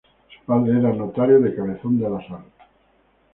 Su padre era notario de Cabezón de la Sal.